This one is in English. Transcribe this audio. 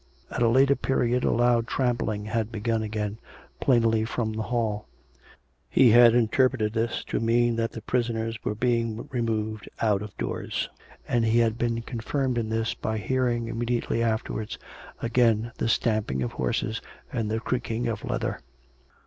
At a later period a loud trampling had begun again, plainly from the hall: he had interpreted this to mean that the prisoners were being removed out of doors; and he had been confirmed in this by hearing immediately after wards again the stamping of horses and the creaking of leather.